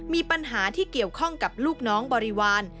มีปัญหาที่เกี่ยวข้องกับลูกน้องบริวาร